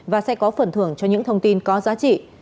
và sẽ có phần thưởng cho những thông tin có giá trị